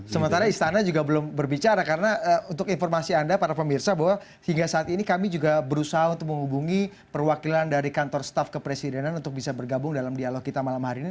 sementara istana juga belum berbicara karena untuk informasi anda para pemirsa bahwa hingga saat ini kami juga berusaha untuk menghubungi perwakilan dari kantor staff kepresidenan untuk bisa bergabung dalam dialog kita malam hari ini